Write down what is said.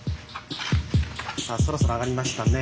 さあそろそろあがりましたね。